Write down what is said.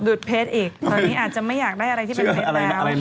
ดเพชรอีกตอนนี้อาจจะไม่อยากได้อะไรที่เป็นเพชรแล้ว